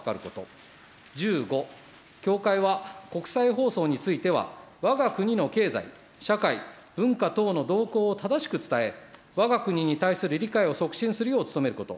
１５、協会は国際放送については、わが国の経済、社会、文化等の動向を正しく伝え、わが国に対する理解を促進するよう努めること。